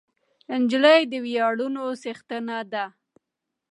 نجلۍ د ویاړونو څښتنه ده.